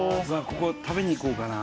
ここ食べに行こうかな